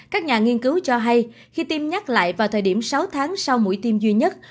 các nhà nghiên cứu cho hay khi tiêm nhắc lại vào thời điểm sáu tháng sau mũi tiêm duy nhất